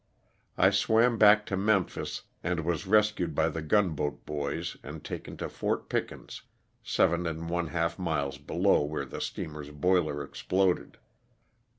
I swam back to Memphis and was rescued by the gunboat boys and taken to Fort Pickens, seven and one half miles below where the steamer's boiler exploded.